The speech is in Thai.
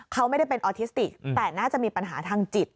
เขาไม่ได้เป็นออทิสติกแต่น่าจะมีปัญหาทางจิต